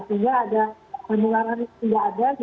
sehingga ada penularan tidak ada